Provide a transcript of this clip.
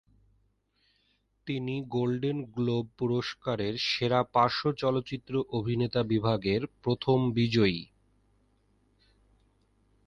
তিনি golden globe পুরস্কারের সেরা পার্শ্ব চলচ্চিত্র অভিনেতা বিভাগের প্রথম বিজয়ী।